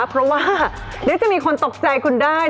เพราะว่าเดี๋ยวจะมีคนตกใจคุณได้